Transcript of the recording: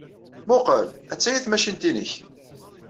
Mmuqqel, attaya tmacint-nnek.